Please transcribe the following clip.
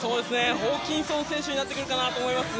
ホーキンソン選手になってくるかなと思います。